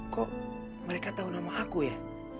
kok mereka tahu nama aku ya